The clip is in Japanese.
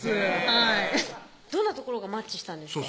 どんなところがマッチしたんですか？